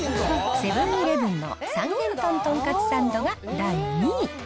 セブンーイレブンの三元豚とんかつサンドが第２位。